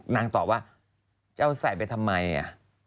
นางตอบว่าเจ้าใส่ไปทำไมอ่ะ